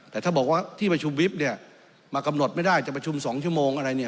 แต่ถ้าบอกว่าที่ประชุมวิบเนี่ยมากำหนดไม่ได้จะประชุม๒ชั่วโมงอะไรเนี่ย